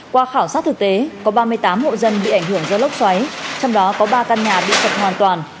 qua khảo sát thực tế có ba mươi tám hộ dân bị ảnh hưởng do lốc xoáy trong đó có ba căn nhà bị sập hoàn toàn